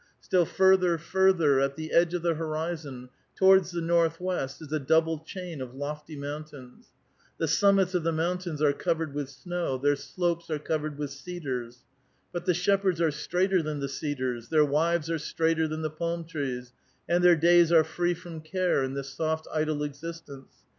Still further, further, at the edge of the horizon, towards the north west, is a double chain of lofty mountains. The sum mits of the mountains are covered with snow ; their slopes are covered with cedars. But the shepherds are straighter than the cedars ; their wives are straighter than the palm trees, and their days are free from care in this soft, idle existence.